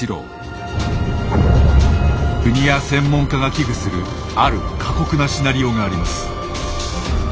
国や専門家が危惧するある過酷なシナリオがあります。